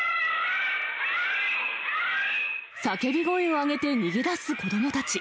叫び声を上げて逃げ出す子どもたち。